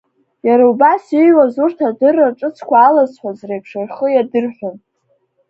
Иара убас иҩуаз урҭ адырра ҿыцқәа алазҳәоз реиԥш рхы иадырҳәон.